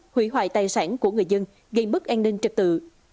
hủy hoại tài sản của người dân gây mức an ninh trực tự